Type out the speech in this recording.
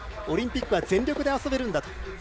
オリンピックは全力で遊べるんだと。